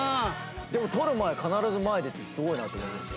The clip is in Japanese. でも捕る前必ず前に出てすごいなと思いました。